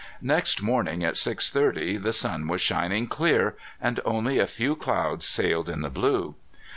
Next morning at six thirty the sun was shining clear, and only a few clouds sailed in the blue.